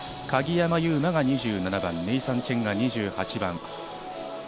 鍵山優真が２７番、ネイサン・チェンが２８番。